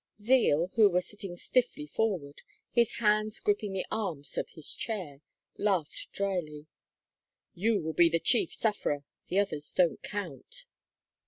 Zeal, who was sitting stiffly forward, his hands gripping the arms of his chair, laughed dryly. "You will be the chief sufferer. The others don't count."